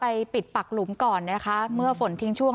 ปิดปักหลุมก่อนนะคะเมื่อฝนทิ้งช่วง